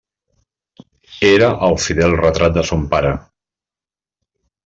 Era el fidel retrat de son pare.